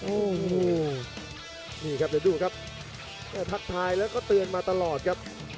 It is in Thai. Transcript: โอ้โหนี่ครับเดี๋ยวดูครับแค่ทักทายแล้วก็เตือนมาตลอดครับ